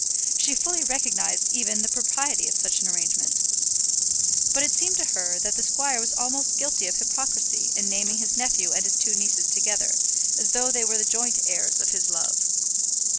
She fully recognized even the propriety of such an arrangement. But it seemed to her that the squire was almost guilty of hypocrisy in naming his nephew and his two nieces together, as though they were the joint heirs of his love.